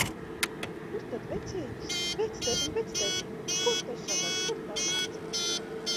Kur tad vecītis? Vectētiņ, vectētiņ! Kur tas žagars, kur tā vica?